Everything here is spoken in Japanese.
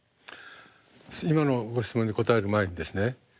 今のご質問に答える前にですね